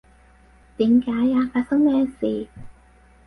點解呀？發生咩事？